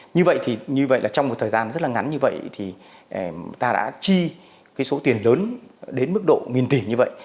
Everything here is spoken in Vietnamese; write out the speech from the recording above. như vậy trong một thời gian rất ngắn như vậy ta đã chi số tiền lớn đến mức độ miền tỉnh như vậy